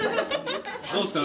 どうですか？